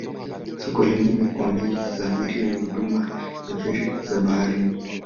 Soko lingine kwa meli za abiria ni huduma ya feri za baharini.